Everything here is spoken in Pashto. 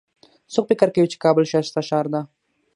څوک فکر کوي چې کابل ښایسته ښار ده